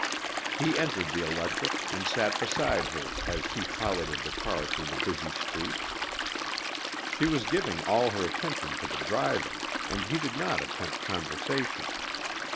He entered the electric and sat beside her as she piloted the car through the busy streets. She was giving all her attention to the driving, and he did not attempt conversation.